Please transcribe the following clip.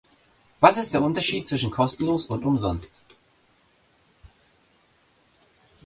Was ist der Unterschied zwischen kostenlos und umsonst?